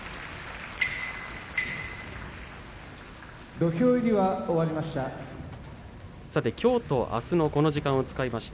土俵入りが終わりました。